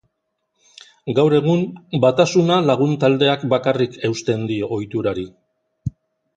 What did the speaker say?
Gaur egun, Batasuna lagun taldeak bakarrik eusten dio ohiturari.